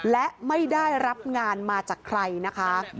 และไม่ได้รับงานมาจากใครนะคะ